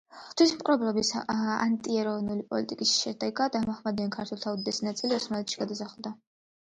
თვითმპყრობელობის ანტიეროვნული პოლიტიკის შედეგად მაჰმადიან ქართველთა უდიდესი ნაწილი ოსმალეთში გადასახლდა.